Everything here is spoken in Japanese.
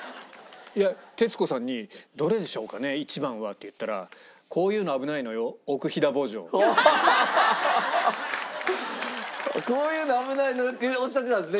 いや徹子さんに「どれでしょうかね？一番は」って言ったらこういうの危ないのよっておっしゃってたんですね